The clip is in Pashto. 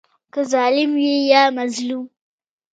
که ظالم وي یا مظلوم.